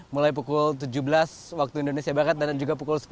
mulai pukul tujuh belas waktu indonesia barat dan juga pukul sepuluh